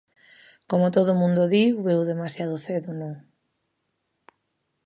Como todo o mundo di veu demasiado cedo, non.